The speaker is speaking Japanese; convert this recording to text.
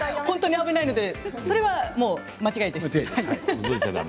本当に危ないのでそれはもう間違いです。